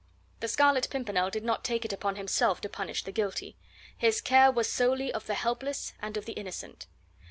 The Scarlet Pimpernel did not take it upon himself to punish the guilty; his care was solely of the helpless and of the innocent.